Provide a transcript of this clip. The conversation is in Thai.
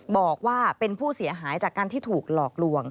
บอกว่าเป็นผู้เสียหายจากการที่ถูกหลอกลวง